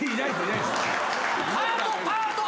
パート。